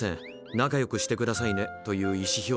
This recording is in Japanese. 仲よくしてくださいね」という意思表示になる。